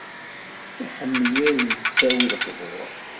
Iḥemmel ad yettawi lexbur.